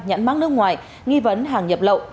nhãn mắc nước ngoài nghi vấn hàng nhập lậu